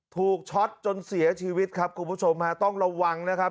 ช็อตจนเสียชีวิตครับคุณผู้ชมฮะต้องระวังนะครับ